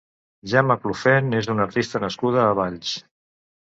Gemma Clofent és una artista nascuda a Valls.